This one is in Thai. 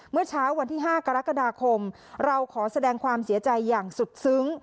เมื่อเช้าวันที่๕กรกฎาคมเราขอแสดงความเสียใจอย่างสุดซึ้ง